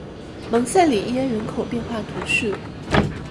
蒙塞里耶人口变化图示